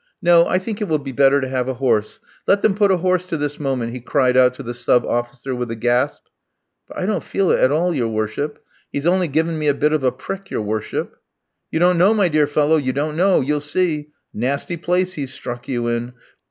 No, I think it will be better to have a horse; let them put a horse to this moment!" he cried out to the sub officer with a gasp. "But I don't feel it at all, your worship; he's only given me a bit of a prick, your worship." "You don't know, my dear fellow, you don't know; you'll see. A nasty place he's struck you in.